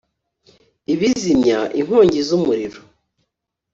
ibizimya inkongi z' umuriro